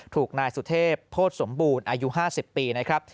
ถูกนายสุเทพโภษสมบูรณ์อายุ๕๐ปีนะครับ